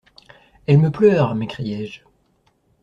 Elle me pleure ! m'écriais-je.